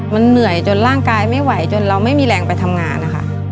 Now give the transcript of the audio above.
มันเหนื่อยจนร่างกายไม่ไหวจนเราไม่มีแรงไปทำงานนะคะ